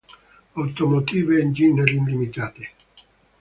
Automotive Engineering Ltd..